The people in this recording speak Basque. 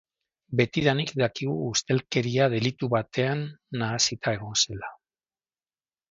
Betidanik dakigu ustelkeria-delitu batean nahasita egon zela.